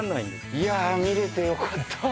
いやぁ見られてよかった。